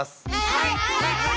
はい！